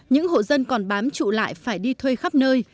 những hộ dân còn bám trụ lại phải đi thuê khắp nơi